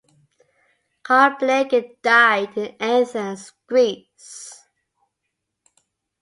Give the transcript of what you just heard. Carl Blegen died in Athens, Greece.